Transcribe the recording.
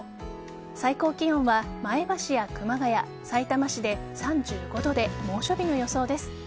最高気温は前橋や熊谷、さいたま市で３５度で、猛暑日の予想です。